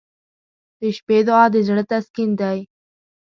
• د شپې دعا د زړه تسکین دی.